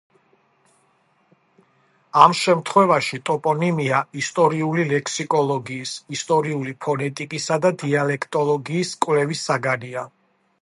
ამ შემთხვევაში ტოპონიმია ისტორიული ლექსიკოლოგიის, ისტორიული ფონეტიკისა და დიალექტოლოგიის კვლევის საგანია.